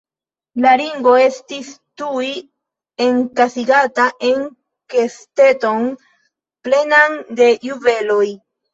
La ringo estis tuj enkasigata en kesteton plenan de juveloj.